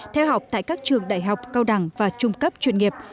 theo học tại các trường đại học cao đẳng và trung cấp chuyên nghiệp